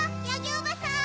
おばさん！